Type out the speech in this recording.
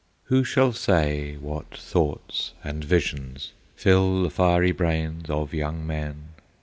Who shall say what thoughts and visions Fill the fiery brains of young men?